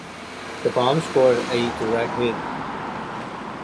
The bomb scored a direct hit.